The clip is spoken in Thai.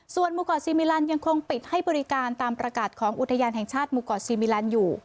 ส่วนมูเกาะซีมิลันยังคงปิดให้บริการตามประกาศของอุทยานแห่งชาติหมู่เกาะซีมิลันอยู่